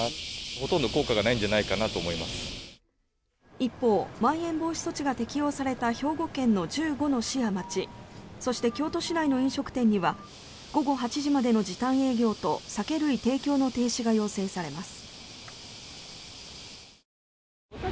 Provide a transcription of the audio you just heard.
一方、まん延防止措置が適用された兵庫県の１５の市や町そして京都市内の飲食店には午後８時までの時短営業と酒類提供停止が要請されます。